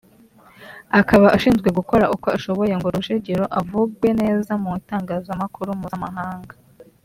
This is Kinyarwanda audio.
akaba ashinzwe gukora uko ashoboye ngo Rujugiro avugwe neza mu itangazamakuru mpuzamahanga